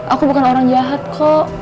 aku bukan orang jahat kok